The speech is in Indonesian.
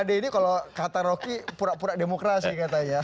p dua ad ini kalau kata rocky pura pura demokrasi katanya